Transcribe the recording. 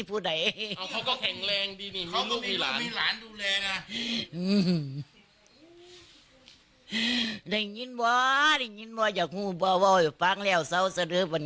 คุณกิติสักร์แกก็คุยรู้เรื่อง